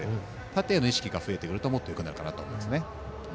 縦への意識が増えてくるともっとよくなるかなと思います。